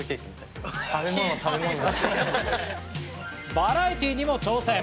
バラエティーにも挑戦。